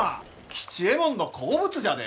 吉右衛門の好物じゃで！